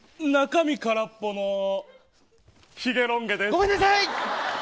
ごめんなさい。